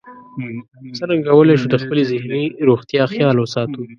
څرنګه کولی شو د خپلې ذهني روغتیا خیال وساتو